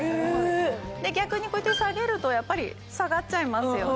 逆にこうやって下げるとやっぱり下がっちゃいますよね